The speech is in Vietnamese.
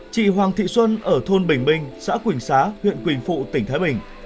chị hoàng thị xuân ở thôn bình bình xã quỳnh xá huyện quỳnh phụ tỉnh thái bình